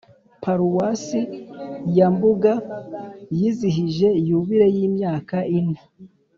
paruwasi ya mubuga yizihije yubile y’imyaka ine